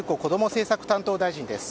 政策担当大臣です。